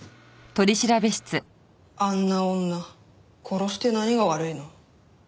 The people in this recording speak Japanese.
あんな女殺して何が悪いの。